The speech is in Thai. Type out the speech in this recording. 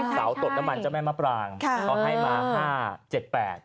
สาวตกน้ำมันเจ้าแม่มะปรางเขาให้มา๕๗๘